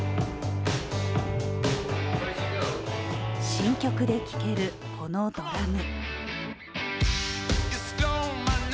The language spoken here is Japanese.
新曲で聞けるこのドラム。